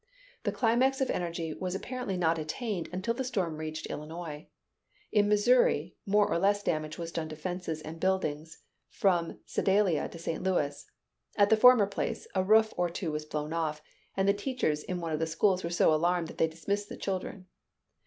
The climax of energy was apparently not attained until the storm reached Illinois. In Missouri, more or less damage was done to fences and buildings, from Sedalia to St. Louis. At the former place, a roof or two was blown off, and the teachers in one of the schools were so alarmed that they dismissed the children.